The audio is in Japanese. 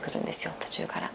途中から。